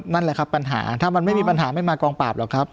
นั่นแหละครับปัญหาถ้ามันไม่มีปัญหาไม่มากองปราบหรอกครับ